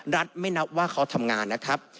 รัฐไม่นับว่าเขาทำงานนะครับ